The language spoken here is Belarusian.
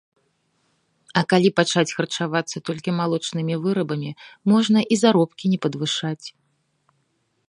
А калі пачаць харчавацца толькі малочнымі вырабамі, можна і заробкі не падвышаць.